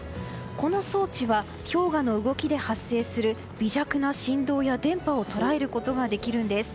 この装置は氷河の動きで発生する微弱な振動や電波を捉えることができるんです。